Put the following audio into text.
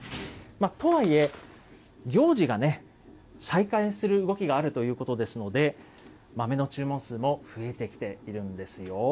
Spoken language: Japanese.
とはいえ、行事がね、再開する動きがあるということですので、豆の注文数も増えてきているんですよ。